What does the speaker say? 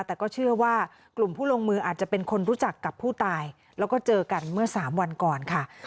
แต่ก็เชื่อว่ากลุ่มผู้ลงมืออาจจะเป็นคนรู้จักกับผู้ตายแล้วก็เจอกันเมื่อ๓วันก่อนค่ะ